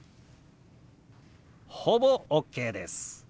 ほぼＯＫです。